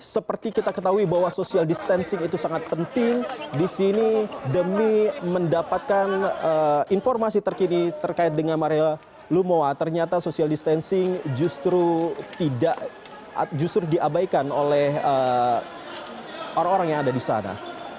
seperti kita ketahui bahwa social distancing itu sangat penting disini demi mendapatkan informasi terkini terkait dengan maria lumo ternyata social distancing justru diabaikan oleh orang orang yang ada disana